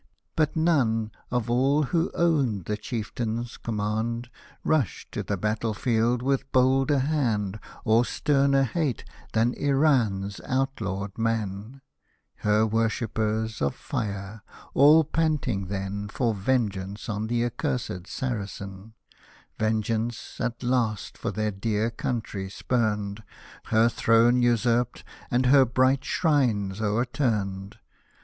But none, of all who owned the Chiefs command. Hosted by Google THE VEILED PROPHET OF KHORASSAN 121 Rushed to that battle field with bolder hand, Or sterner hate, than Iran's outlawed men, Her Worshippers of Fire — all panting then For vengeance on the accursed Saracen ; Vengeance at last for their dear country spurned. Her throne usurped, and her bright shrines o'erturned.